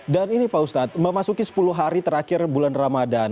dan ini pak ustadz memasuki sepuluh hari terakhir bulan ramadhan